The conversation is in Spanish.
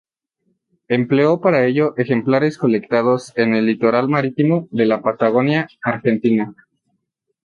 Empleó para ello ejemplares colectados en el litoral marítimo de la Patagonia argentina.